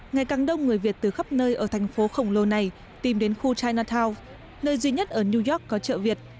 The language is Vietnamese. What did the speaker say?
ngày càng đông người việt từ khắp nơi ở thành phố khổng lồ này tìm đến khu chinatown nơi duy nhất ở new york có chợ việt